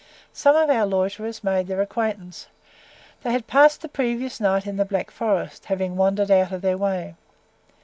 Some of our loiterers made their acquaintance. They had passed the previous night in the Black Forest, having wandered out of their way.